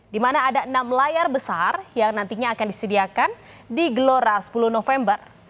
di mana ada enam layar besar yang nantinya akan disediakan di gelora sepuluh november